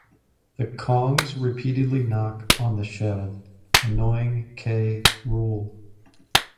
The Kongs repeatedly knock on the shell, annoying K. Rool.